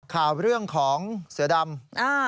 ข่าวเรื่องของเสือดำ